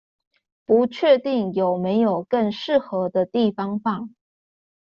不確定有沒有更適合的地方放